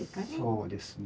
そうですね。